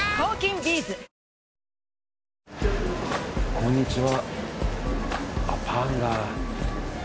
こんにちは。